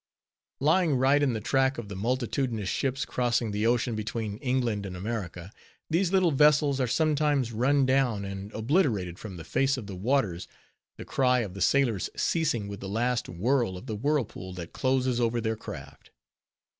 _ Lying right in the track of the multitudinous ships crossing the ocean between England and America, these little vessels are sometimes run down, and obliterated from the face of the waters; the cry of the sailors ceasing with the last whirl of the whirlpool that closes over their craft.